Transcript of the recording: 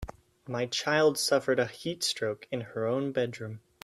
My child suffered a heat stroke in her own bedroom.